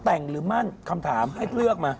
แต่งหรือมั่นคำถามให้เลือกมา